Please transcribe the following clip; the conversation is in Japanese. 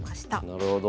なるほど。